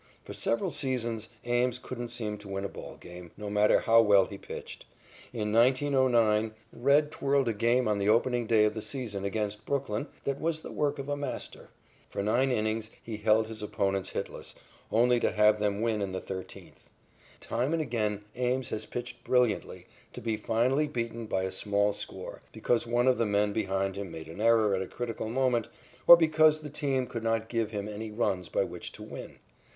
For several seasons, Ames couldn't seem to win a ball game, no matter how well he pitched. In 1909, "Red" twirled a game on the opening day of the season against Brooklyn that was the work of a master. For nine innings he held his opponents hitless, only to have them win in the thirteenth. Time and again Ames has pitched brilliantly, to be finally beaten by a small score, because one of the men behind him made an error at a critical moment, or because the team could not give him any runs by which to win.